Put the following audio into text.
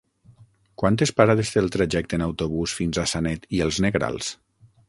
Quantes parades té el trajecte en autobús fins a Sanet i els Negrals?